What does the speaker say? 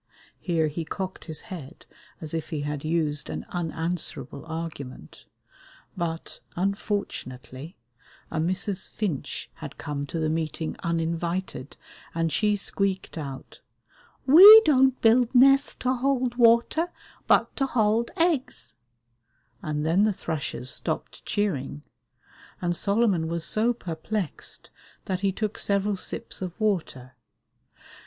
Here he cocked his head as if he had used an unanswerable argument; but, unfortunately, a Mrs. Finch had come to the meeting uninvited, and she squeaked out, "We don't build nests to hold water, but to hold eggs," and then the thrushes stopped cheering, and Solomon was so perplexed that he took several sips of water.